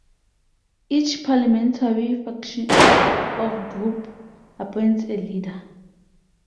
Each parliamentary faction or group appoints a leader.